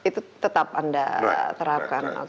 itu tetap anda terapkan